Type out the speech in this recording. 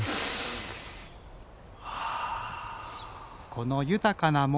この豊かな森。